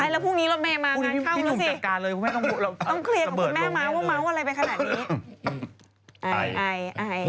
แล้วพรุ่งนี้แม่มานั้นเท่าสิ